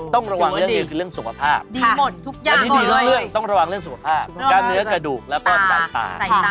ต้องระวังเรื่องนี้ก็คือเรื่องสุขภาพต้องระวังเรื่องสุขภาพการเนื้อกระดูกแล้วก็สายตา